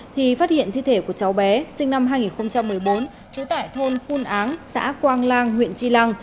thì phát hiện thi thể của cháu bé sinh năm hai nghìn một mươi bốn trú tại thôn khun áng xã quang lan huyện tri lan